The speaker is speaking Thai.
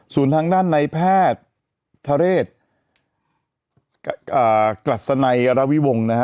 ส่วนทางด้านในแพทย์ทะเลสกลัสไนอรวิวงนะฮะ